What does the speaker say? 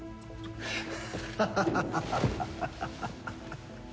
ハハハハハ！